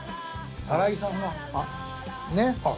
新井さんがねっ。